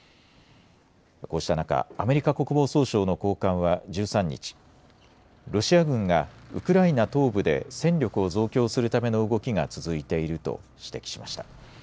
こうした中、アメリカ国防総省の高官は１３日、ロシア軍がウクライナ東部で戦力を増強するための動きが続いていると指摘しました。